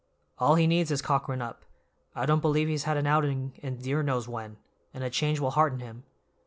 All he needs is cockerin' up; I don't believe he's had an outing in dear knows when, and a change will hearten him.